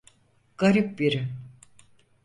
Garip biri.